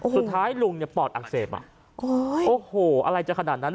สุดท้ายลุงเนี่ยปอดอักเสบอ่ะโอ้โหอะไรจะขนาดนั้น